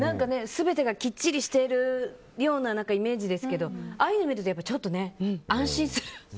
全てがきっちりしてるようなイメージですけどああいうの見ると、ちょっとね安心する。